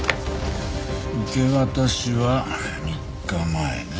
受け渡しは３日前ね。